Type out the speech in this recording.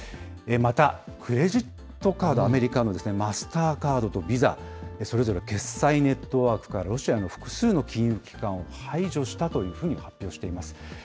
またクレジットカード、アメリカのマスターカードとビザ、それぞれ決済ネットワークからロシアの複数の金融機関を排除したというふうに発表しています。